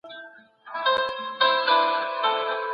موږ بايد له ګډوډۍ څخه ځان وساتو.